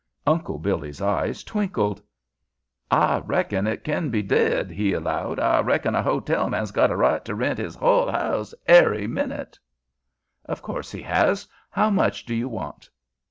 Uncle Billy's eyes twinkled. "I reckon it kin be did," he allowed. "I reckon a ho tel man's got a right to rent his hull house ary minute." "Of course he has. How much do you want?"